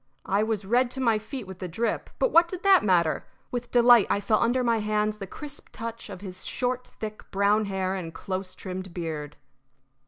I was red to my feet with the drip, but what did that matter? With delight I felt under my hands the crisp touch of his short, thick, brown hair and close trimmed beard.